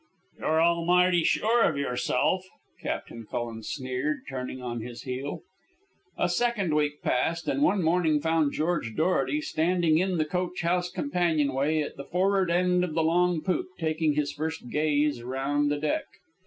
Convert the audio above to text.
"You're almighty sure of yourself," Captain Cullen sneered, turning on his heel. A second week passed, and one morning found George Dorety standing in the coach house companionway at the for'ard end of the long poop, taking his first gaze around the deck.